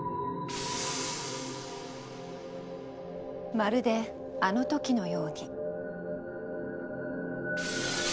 まるであの時のように。